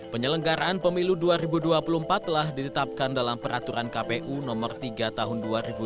penyelenggaraan pemilu dua ribu dua puluh empat telah ditetapkan dalam peraturan kpu nomor tiga tahun dua ribu dua puluh